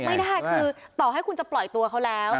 ไม่ได้คือต่อให้คุณจะปล่อยตัวเขาแล้ว